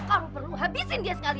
kalau perlu habisin dia sekalian